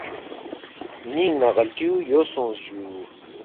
”نِ٘ینگ نہ غلطیُو یو سونگس جُو